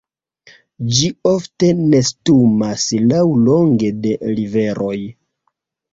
Ĝi ofte nestumas laŭlonge de riveroj.